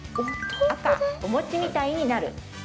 赤・お餅みたいになる。